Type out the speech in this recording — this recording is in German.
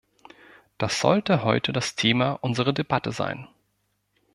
Das sollte heute das Thema unserer Debatte sein.